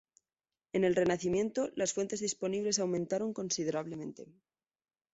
En el Renacimiento, las fuentes disponibles aumentaron considerablemente.